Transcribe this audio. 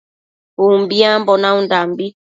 Umbiambo naundambi